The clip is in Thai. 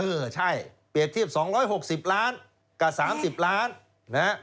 เออใช่เปรียบเทียบ๒๖๐ล้านกับ๓๐ล้านนะฮะ